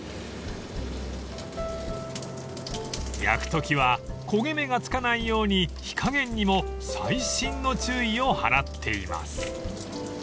［焼くときは焦げ目が付かないように火加減にも細心の注意を払っています］